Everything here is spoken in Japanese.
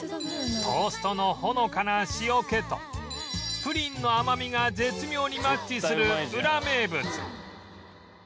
トーストのほのかな塩気とプリンの甘みが絶妙にマッチするウラ名物